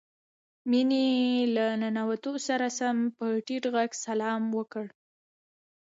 مينې له ننوتو سره سم په ټيټ غږ سلام وکړ.